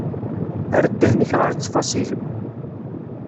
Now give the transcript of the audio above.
Err ddhen-ik ɣer ttfaṣil.